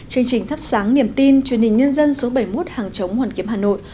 chương trình thắp sáng niềm tin truyền hình nhân dân số bảy mươi một hàng chống hoàn kiếm hà nội